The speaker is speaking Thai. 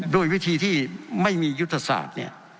โดยวิธีที่ไม่มียุทธศาสตร์